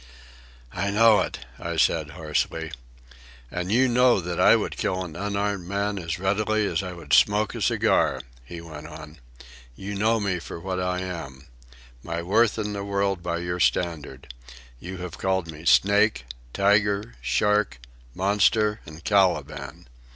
"I know it," I said hoarsely. "And you know that I would kill an unarmed man as readily as I would smoke a cigar," he went on. "You know me for what I am,—my worth in the world by your standard. You have called me snake, tiger, shark, monster, and Caliban.